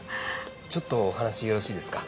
ちょっとお話よろしいですか？